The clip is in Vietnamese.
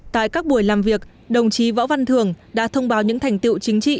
tại các buổi làm việc đồng chí võ văn thường đã thông báo những thành tiệu chính trị